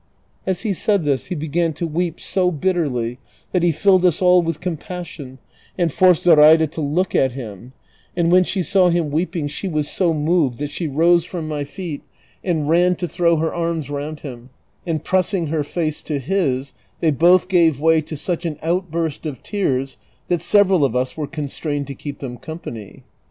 As he said this he began to weep so bitterly that he filled us all with compassion and forced Zoraida to look at him, and when she saw him weeping she was so moved that she rose from my feet and ' A wind from the north, so called from coming across the Alps. CHAPTER XLI. 353 ran to throw her arms round him, and pressing her face to his, they both gave way to sucli an outburst of tears that several of us were constrained to keep them company.